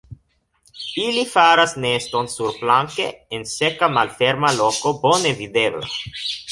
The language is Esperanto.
Ili faras neston surplanke en seka malferma loko bone videbla.